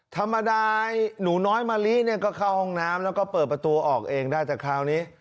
ธรรมดาหนูน้อยมะลิเนี่ยก็เข้าห้องน้ำแล้วก็เปิดประตูออกเองได้แต่คราวนี้